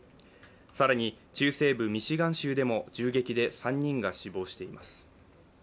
更に、中西部ミシガン州でも銃撃で３人が死亡しています。